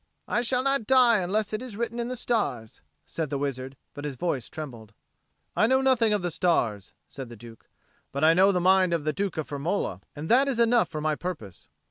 "I shall not die unless it be written in the stars," said the wizard, but his voice trembled. "I know nothing of the stars," said the Duke, "but I know the mind of the Duke of Firmola, and that is enough for my purpose."